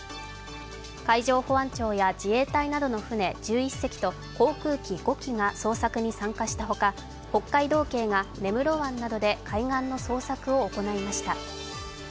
海上保安庁や自衛隊などの船１１隻と航空機５機が捜索に参加した他、北海道警が根室湾などで海岸の捜索を行いました。